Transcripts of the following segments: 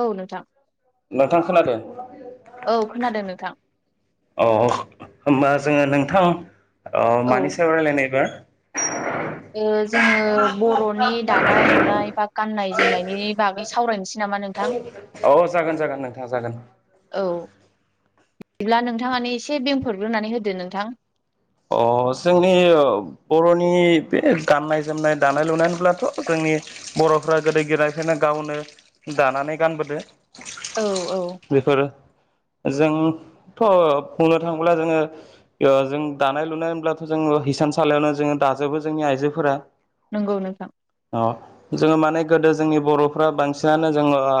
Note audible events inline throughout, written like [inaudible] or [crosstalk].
औ नोंथां नोंथां खोनादों औ खोनादों नोंथां अ होमबा जोङो नोंथां अ औ मानि सायाव रायलायनो नागिरदोंमोन ओ जोङो बर'नि दानाय लुनाय बा गाननाय जोमनायनि बागै सावरायनोसै नामा नोंथां औ जागोन जागोन नोंथां जागोन औ बिदिब्ला नोंथाङानो एसे बेंफोरग्रोनानै होदो नोंथां अ जोंनि बर'नि बे गाननाय जोमनाय दानाय लुनाय होनब्लाथ' जोंनि बर'फ्रा गोदो गोदायनिफायनो गावनो दानानै गानबोदो औ-औ बेफोरो जों थ' बुंनो थांङोब्ला जोङो ओ जों दानाय लुनाय होनब्लाथ' जोङो हिसान सलियावनो जोङो दाजोबो जोंनि आइजोफोरा नंगौ नोंथां अ जोङो माने गोदो जोंनि बर'फ्रा बांसिनानो जोङो आ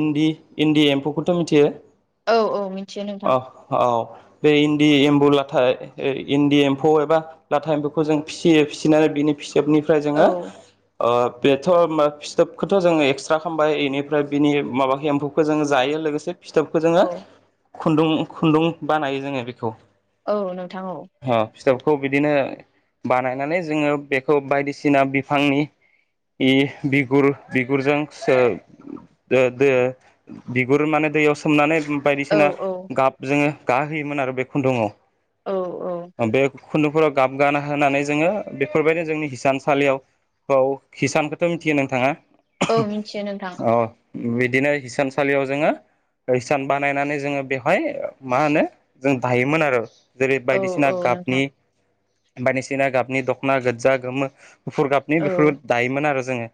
इन्दि-इन्दि एम्फौफोर थ मिथियो औ औ मिथियो नोंथां अ-अ बे इन्दि एम्बौ लाथाय ए इन्दि एम्फौ एबा लाथा एम्फौखौ जों फिसियो फिसिनानै बिनि फिसोबनिफ्राय औ जोङो अ बेथ' मा फिथोबखोथ' जोङो एक्सट्रा खामबाय इनिफ्राय बिनि माबाखो एम्फौखो जों जायो लोगोसे फिथोबखो औ जोङो खुन्दुं-खुन्दुं बानायो जोङो बेखौ औ नोंथां औ अ फिथोबखौ बिदिनो बानायनानै जोङो बेखौ बायदिसिना बिफांनि इ बिगुर-बिगुरजों सो दो-दो बिगुर माने दैयाव सोमनानै [inaudible] औ बायदिसिना औ गाब जोङो गाहोयोमोन आरो बे खुन्दुंआव औ-औ उम बे खुन्दुंफोराव गाबगाना होनानै जोङो बेफोरबायदि जोंनि हिसानसालियाव औ हिसानखोथ' मिथियो नोंथाङा औ मिथियो नोंथां औ उम बिदिनो हिसानसालियाव जोङो हिसान बानायनानै जोङो बेवहाय मा होनो जों दायोमोन आरो जेरै औ बायदिसिना औ गाबनि नोंथां बायदिसिना गाबनि दख'ना गोजा गोमो गुफुर गाबनि औ बेफोरबाद दायोमोन आरो जोङो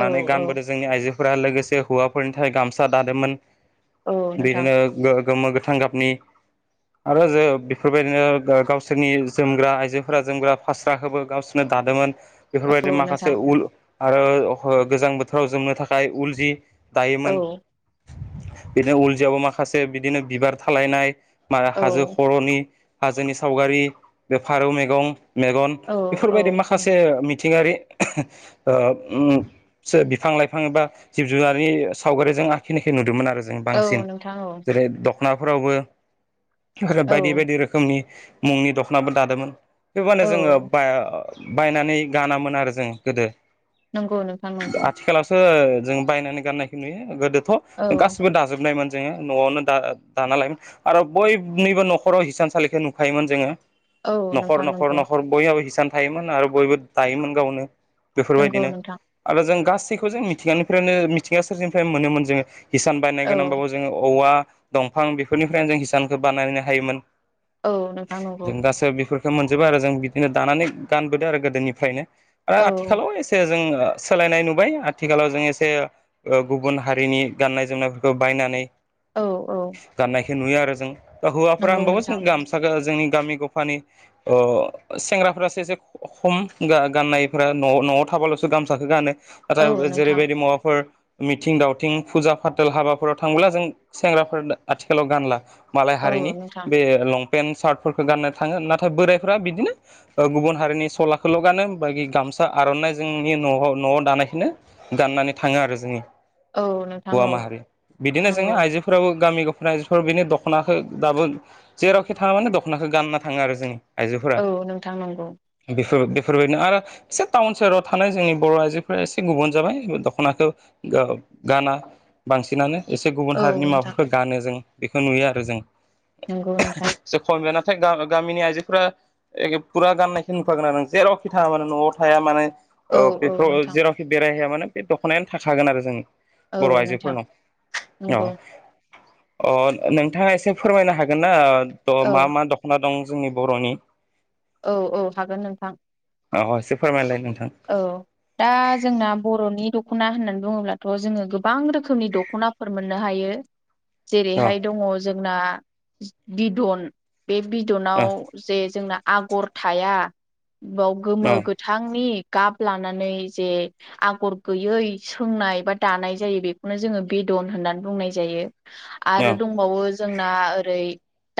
औ औ गानबोदो जोंनि आइजोफोरा लोगोसे हौवाफोरनि थाखाय गामसा दादोंमोन औ नोंथां बिदिनो गो गोमो गोथां गाबनि आरो जो बेफोरबायदिनो गावसोरनि जोमग्रा आइजोफोरा जोमग्रा फास्राखोबो गावसोरनो दादोंमोन बेफोरबायदि औ माखासे नोंथां उल आरो गोजां बोथोराव जोमनो थाखाय उल जि औ दायोमोन बिदिनो उलजियावबो माखासे बिदिनो बिबार थालायनाय मा औ हाजो खर'नि हाजोनि सावगारि बे फारौ मैगं मेगन औ बेफोरबायदि माखासे मिथिंगारि [unintelligible] ओ उम सो बिफां-लाइफां एबा जिब-जुनारनि सावगारिजों आखिनायखो नुदोंमोन आरो जों जों औ बांसिन नोंथां औ जेरै दख'नाफोरावबो आरो औ बायदि-बायदि रोख खोमनि मुंनि दख'नाबो दादोमोन बेबानो जोङो औ बाया बायनानै गानामोन आरो जों गोदो नंगौ नोंथां नंगौ [inaudible] जों बायनानै गाननायखो नुयो गोदोथ' औ गासिबो दाजोबनायमोन जोङो न'आवनो दा-दाना लायोमोन आरो बयनिबो न'खराव हिसानसालिखो नुखायोमोन जोङो औ नोंथां नंगौ न'खर-न'खर-न'खर बयहाबो हिसान थायोमोन आरो बयबो दायोमोन गावनो नंगौ बेफोरबायदिनो नोंथां आरो जों गासैखौ जों मिथिंगानिफ्रायनो मिथिंगा सोरजिनिफ्राय मोनोमोन जोङो हिसान औ बायनाय गोनांबाबो ज जोङो औवा दंफां बेफोरनिफ्रायनो जों हिसानखौ बानायनो हायोमोन औ नोंथां नंगौ जों गासैबो बेफोरखौ मोनजोबो आरो जों बिदिनो दानानै गानबोदों आरो गोदोनिफ्रायनो आ औ आथिखालाव एसे जों सोलायनाय नुबाय आथिखालाव जों एसे ओ गुबुन हारिनि गाननाय जोमनायफोरखौ बायनानै औ औ गाननायखो नुयो आरो जों दा हौवाफोरा नंगौ होमबाबो जों नोंथां गामसागो जोंनि गामि गफानि ओ सेंग्राफोरासो एसे खम गा गाननायफोरा न' न'आव थाबाल'सो गामसाखो गानो औ [unintelligible] नोंथां जेरैबायदि मुवाफोर मिथिं दावथिं फुजा फाथाल हाबाफोराव थांब्ला जों सेंग्राफोर आथिखालाव गानला मालाय औ हारिनि नोंथां बे लंपेन्ट सार्टफोरखौ गाननो थाङो नाथाय बोरायफ्रा बिदिनो गुबुन हारिनि सलाखौल' गानो बि गामसा आर'नाइ जोंनि न'आव न'आव दानायखोनो गाननानै थाङो आरो जोंनि औ नोंथां हौवा औ माहारि बिदिनो जोङो नंगौ आइजोफो फोराबो गामि [unintelligible] बिनि दख'नाखो दाबो जेरावखि थाङा माने दख'नाखौ गानना थाङो आरो जोङो औ नोंथां नंगौ बेफोर बेफोरबायदिनो आरो एसे टाउन सोहोराव थानाय जोंनि बर' आइजोफोरा एसे गुबुन जाबाय दख'नाखौ गाव गाना बांसिनानो एसे गुबुन औ हारिनि नोंथां माबाफोरखौ गानो जों बेखौ नुयो आरो जों नोंगौ नोंथां से खम बे नाथाय गा गामिनि आइजोफोरा एखे फुरा गाननायखे नुखागोन आरो नों जेरावखि थाङा माने न'आव थाया माने औ बेखौ जेरावखि बेरायहैया मानो बे दख'नायानो थाखागोन आरो जोङो औ बर' नोंथां आइजोफोरनाव नंगौ औ अ नोंथाङा एसे फोरमायनो हागोन ना द औ मा मा दख खना दं जोंनि बर'नि औ औ हागोन नोंथां अ इसे फोरमायलाय नोंथां औ दा जोंना बर'नि दख'ना होननानै बुङोब्लाथ' जोङो गोबां रोखोमनि दख'नाफोर मोननो हायो अ जेरैहाय दङ जोंना बिदन बे अ बिदनाव जे जोंना आगर थाया बाव गोमो अ गोथांनि गाब लानानै जे आगर गैयै सोंनाय बा दानाय जायो बेखौनो जोङो बेदन होननानै बुंनाय जायो अ आरो दंबावो जोंना ओरै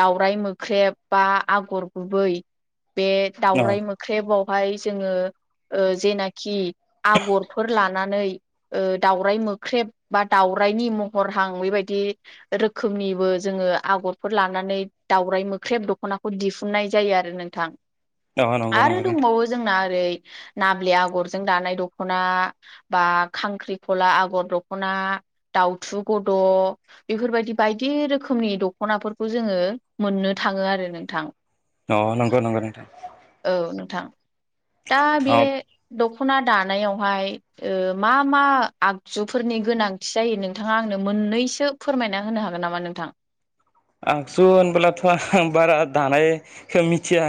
दावराइ मोख्रेब बा आगर गुबै बे अ दाावरायाइ मोख्रेबावहाय जोङो ओ जेनाखि आगरफोर लानानै लानानै दाउराय मोख्रेब बा दाउरायनि महर हां बेबायदि रोखोमनिबो जोङो आगरफोर लानानै दावराइ मोख्रेब दख'नाखौ दिहुन खुननाय जायो आरो नोंथां अ नंगौ आरो नंगौ नोंथां दंबावो जोंना ओरै नाब्ले आगरजों दानाय दख'ना बा खांख्रिखला आगर दख'ना दउथु गद' बेफोरबायदि बायदि रोखोमनि दख'नाफोरखौ जोङो मोननो थाङो आरो नोंथां अ नोंगौ नोंगौ नोंथां औ नोंथां दा बे अ दख'ना दानायावहाय मा मा आगजुफोरनि गोनांथि जायो नोंथाङा आंनो मोननैसो फोरमायना होनो हागोन नामा नोंथां आगजु होनबोलाथ' आं बारा दानायखौ मिथिया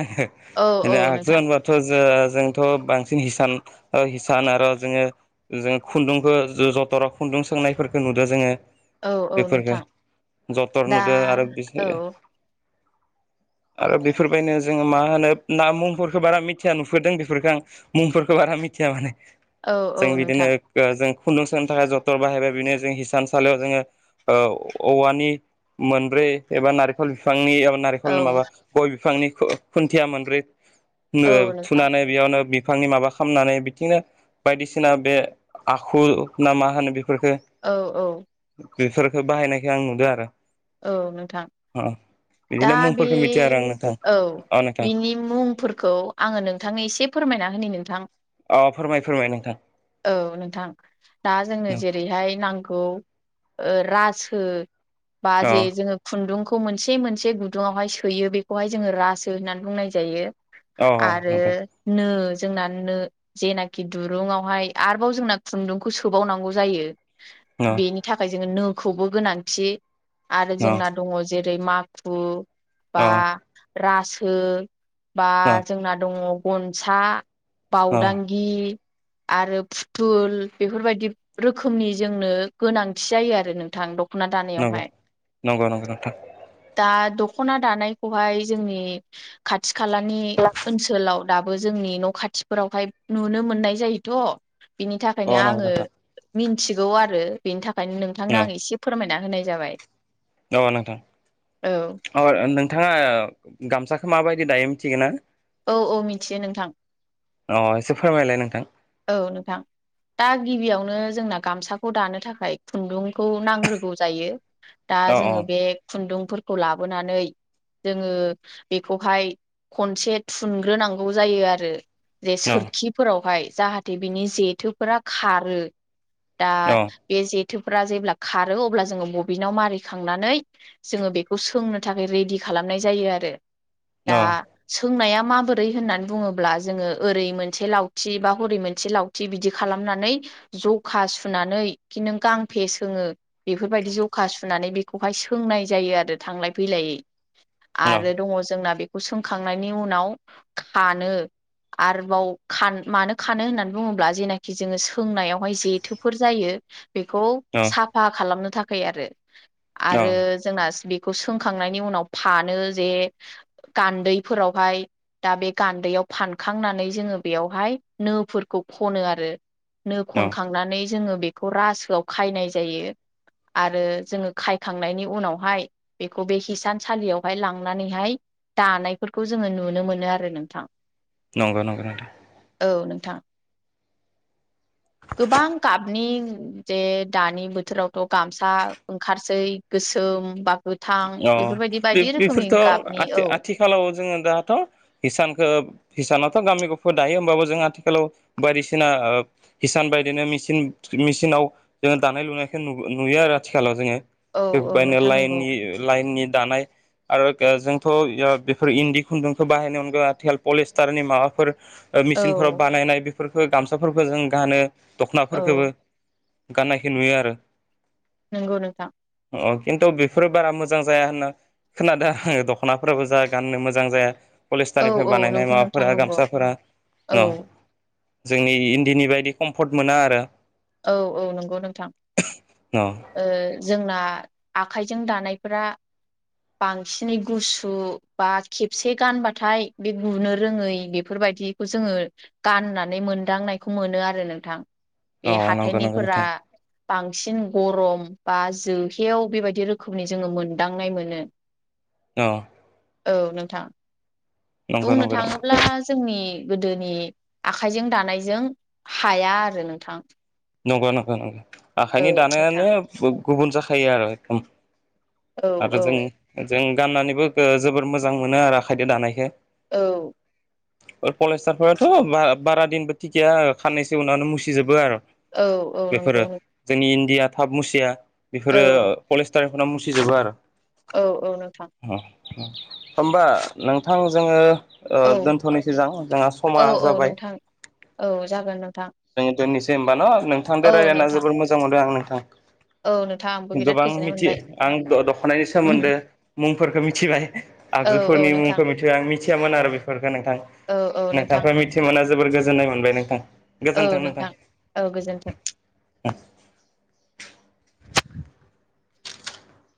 औ औ आङो आगजु नोंथां होनब' ' ज जोंथ' बांसिन हिसान हिसान आरो' जोङो जोङो खुन्दुंखौ जथरा खुन्दुं सोंनायफोरखौ नुदो जोङो औ औ नोंथां बेफोरख जथर दा नुदोंआरो बे औ आरो बेफोरबायदिनो जोङो मा होनो ना मुंफोरखौ बारा मिथिया नुफोदों बेफोरफोरखौ आं मुंफोरखौ बारा मिथिया माने औ जों औ बिदिनो नोंथां जों खुन्दुं सनो थाखाय जथन बाहायबाय बिदिनो जों हिसानसालियाव जोङो औवानि मोनब्रै एबा नारेंखल बिफांनि एबा नारेंखल औ माबा गय बिफांनि खुन्थिया मोनब्रै औ नोंथां थुनानै बेयावनो बिफांनि माबा खालामनानै बिदिनो बायदिसिना बे माखु ना मा होनो बेफोरफोरखो औ औ बेफोरखौ बाहायनायखौ आं नुदों आरो औ नोंथां दा बिदिनो बे मुंफोरखौ मिथिया आरो आं नोंथां औ अ नोंथां बिनि मुंफोरखौ आङो नोंथांनो एसे फोरमायना होनि नोंथां अ फोरमाय फोरमाय नोंथां औ नोंथां दा जोंनो जेरैहाय नांगौ औ ओ रासो बा अ जे जोङो खुन्दुंखौ मोनसे मोनसे गुदुङावहाय सोयो बेखौहाय जोङो रासो होननानै बुंनाय जायो अ आरो नोंथां नो जोंना नो जेनाखि दुरुंङावहाय आरोबाव जोंना खुन्दुंखौ सोबावनांगौ जायो अ बेनि थाखाय जोङो नोखौबो गोनांथि आरो अ जोंना दङ जेरै माखु बा अ रासो बा अ जोंना दङ गनसा अ बावदांगि आरो फुथुल बेफोरबायदि रोखोमनि जोंनो गोनांथि जायो आरो नोंथां दख'ना दानो नंगौ नंगौ नंगौ नोंथां दा दख'ना दानायखौहाय जोंनि खाथि खालानि ओनसोल ओनसोलाव दाबो जोंनि न' खाथिफोरावहाय नुनो मोननाय जायोथ' बिनि अ थाखायनो नंगौ आङो नोंथां मिथिगौ आरो बेनि थाखायनो नोंथांनो औ आं एसे फोरमायना होनाय जाबाय न'बा नोंथां औ अ नोंथाङा गामसाखौ माबायदि दायो मिथिगोन ना औ औ मिथियो नोंथां अ एसे फोरमायलाय नोंथां औ नोंथां दा गिबियावनो जोंना गामसाखौ दानो थाखाय खुन्दुंखौ नांग्रोगौ जायो दा अ जोङो बे खुन्दुंफोरखौ लाबोनानै जोङो बेखौहाय खनसे थुनग्रोनांगौ जायो आरो जे अ सोरखिफोरावहाय जाहाथे बिनि जेथोफोरा खारो दा बे जेथोफोरा जेब्ला खारो अब्ला जोङो बबिनाव मारिखांनानै जोङो बेखौ सोंनो थाखाय रेडि खालामनाय जायो आरो दा अ सोंनाया माबोरै होननानै बुङोब्ला जोङो ओरै मोनसे लावथि बा हरै मोनसे लावथि बिदि खालामनानै जखा सुनानै खि नों गांफे सोङो बेफोरबायदि जखा सुनानै बेखौहाय सोंनाय जायो आरो थांलाय फैलायै आरो दङ जोंना बे सोंखांनायनि उनाव खानो आरोबाव मानो खानो होननानै बुङोब्ला जेनाखि जोङो सोंनायावहाय जेथोफोर जायो बेखौ अ सा फा खालामनो थाखाय आरो अ आरो जोंना बेखौ सोंखांनायनि उनाव फानो जे गान्दैफोरावहाय दा बे गान्दैयाव फानखांनानै जोङो बेयावहाय नोफोरखौ खनो आरो नो अ खनखां थुनानै जोङो बेखौ रासोआव खायनाय जायो आरो जोङो खायखांनायनि उनावहाय बेखौ बे हिसानसालियावहाय लांनानैहाय दानायफोरखौ जोङो नुनो मोनो आरो नोंथां नंगौ नंगौ नोंथां औ नोंथां [inaudible] गोबां गाबनि जे दानि बोथोरावथ' गामसा ओंखारसै गोसोम बा गोथां अ बेफोरबायदि बायदि रोखोमनि गाबनि औ हेलौ जोंङो दाथ' हिसानखौ हिसानावथ' गामि गफ दायो होमबाबो जों आथिखालाव बायदिसिना ओ हिसान बायदिनो मसिन मेचिनाव जोङो दानाय लुनायखौ नु-नुयो आरो आथिखालाव जोङो औ औ [unintelligible] नोंथां नंगौ लाइननि लाइननि दानाय आरो ओ जोंथ' ओ बेफोर इन्दि खुन्दुंखौ बाहायनो अनगा आथिखाल पलिस्टारनि माबाफोर ओ मेचिनफोराव औ बानायनाय बेफोरखौ गामसाफोरखौ जों गानो औ दख'नाफोरखौबो गाननायखौ नुयो आरो नोंगौ नोंथां अ खिन्थु बेफोरो बारा मोज जां जाया होनना खोनादों आङो दख'नाफोराबो जा गाननो मोजां जाया औ पलिस्टारनिफ्राय औ बानायनाय नंगौ नोंथां माबाफोरा नंगौ गामसाफोरा औ जोंनि इन्दिनि बायदि कम्फर्ट मोना आरो औ औ नंगौ नोंथां न ओ जोंना आखाइजों दानायफोरा बांसिनै गुसु बा खेबसे गानबाथाय बे गुनो रोङै बेफोरबायदि खौ जोङो गाननानै मोनदांनायखौ मोनो आरो नोंथां अ बे नंगौ नंगौ हाथायनिफोरा नोंथां बांसिन गरम बा जोहेव बेबायदि रोखोमनि जोङो मोनदांनाय मोनो औ औ नोंथां नंगौ बुंनो नंगौ थाङोब्ला जोंनि गोदोनि आखाइजों दानायजों हाया आरो नोंथां नंगौ नंगौ नंगौ औ आखाइनि नोंथां दानायानो गुबुन जाखायो आरो एखदम औ आरो औ जों जों गाननानैबो ओ जोबोर मोजां मोनो आरो आखायदो दानायखो औ पलिस्टारफोराथ' बा-बारा दिनबो थिखिगैया खाननैसो उनावनो मुसिजोबो आरो औ औ बेफोरो नंगौ जोंनि इण्डिया थाब मुसिया बेफोरो औ पलिस्टारफोरना मुसिजोबो आरो औ औ नोंथां। होमबा नोंथां जोङो औ दोनथ'नो सिजां जोंहा औ समा औ जाबाय। नोंथां औ जागोन नोंथां जोङो दोननोसै होमबा न' नोंथांजों औ रायज्लायना नोंथां जोबोर मोजां मोनदों आं नोंथां। औ नोंथां आंबो बिराद गोबां गोजोननाय मिथि मोनबाय आं दख'नानि उम सोमोन्दै मुंफोरखौ मिथिबाय औ औ आगजुफोरनि नोंथां मुंखौ मिथि बाय आं मिथियामोन आरो बेफोरफोरखौ औ औ नोंथां नोंथांनिफ्राइ मिथिमोनना जोबोर गोजोननाय मोनबाय नोंथां। औ नोंथां औ गोजोन्थों। [unintelligible]